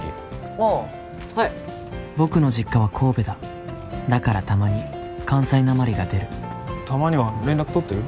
ああはい僕の実家は神戸だだからたまに関西なまりが出るたまには連絡とってる？